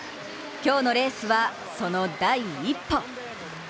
今日のレースはその第一歩。